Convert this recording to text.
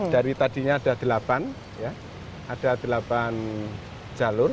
dari tadinya ada delapan ada delapan jalur